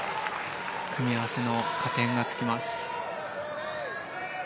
組み合わせの加点がつきます。